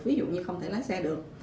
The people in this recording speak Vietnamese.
ví dụ như không thể lái xe được